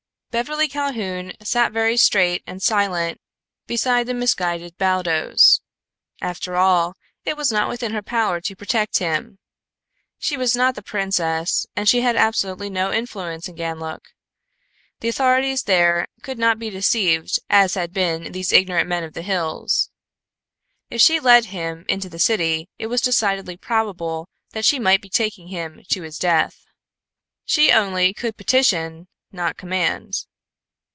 Beverly Calhoun sat very straight and silent beside the misguided Baldos. After all, it was not within her power to protect him. She was not the princess and she had absolutely no influence in Ganlook. The authorities there could not be deceived as had been these ignorant men of the hills. If she led him into the city it was decidedly probable that she might be taking him to his death. She only could petition, not command.